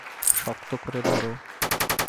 শক্ত করে ধরো।